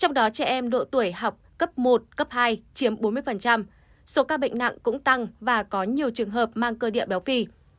trong đó trẻ em độ tuổi học cấp một cấp hai chiếm bốn mươi số ca bệnh nặng cũng tăng và có nhiều trường hợp mang cơ địa béo phì